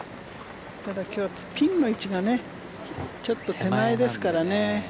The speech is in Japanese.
ただ、ピンの位置がちょっと手前ですからね。